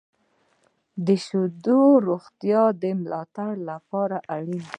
• شیدې د روغتیا د ملاتړ لپاره اړینې دي.